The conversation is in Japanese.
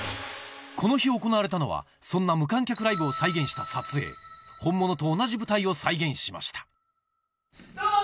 この日行われたのはそんな無観客ライブを再現した撮影本物と同じ舞台を再現しましたどうも！